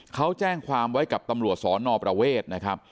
เขาแจ้งความไว้กับตำรวช